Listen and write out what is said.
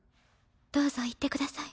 どうぞ言ってください。